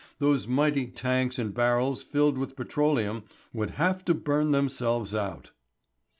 Those mighty tanks and barrels filled with petroleum would have to burn themselves out.